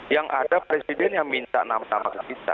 yang ada presiden yang minta nama nama ke kita